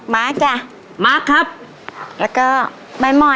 มาร์คจ้ะครับแล้วก็